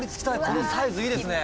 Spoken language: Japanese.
「このサイズいいですね」